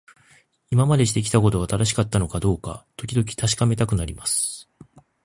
今までしてきたことが正しかったのかどうか、時々確かめたくなります。